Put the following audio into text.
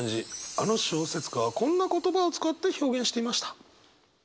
あの小説家はこんな言葉を使って表現していました。